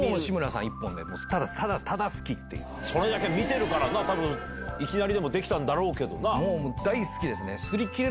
それだけ見てるからないきなりできたんだろうけどな。